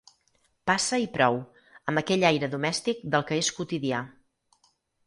Passa i prou, amb aquell aire domèstic del que és quotidià.